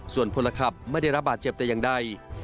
ส่วนพลขับไม่ได้รับบาดเจ็บแต่อย่างใด